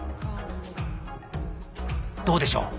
どうでしょう？